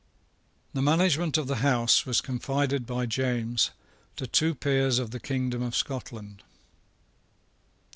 The management of the House was confided by James to two peers of the kingdom of Scotland.